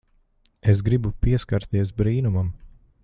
Es gribu pieskarties brīnumam.